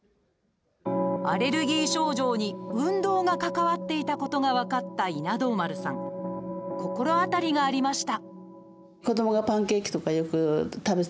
アレルギー症状に運動が関わっていたことが分かった稲童丸さん心当たりがありました。